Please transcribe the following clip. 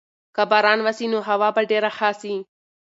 که باران وسي نو هوا به ډېره ښه سي.